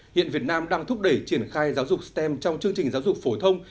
hiện việt nam đang thúc đẩy triển khai giáo dục stem trong chương trình giáo dục phổ thông